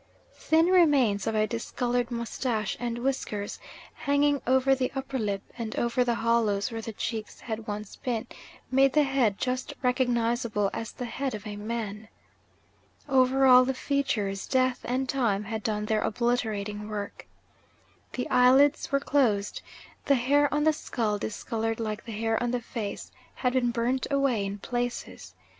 Thin remains of a discoloured moustache and whiskers, hanging over the upper lip, and over the hollows where the cheeks had once been, made the head just recognisable as the head of a man. Over all the features death and time had done their obliterating work. The eyelids were closed. The hair on the skull, discoloured like the hair on the face, had been burnt away in places.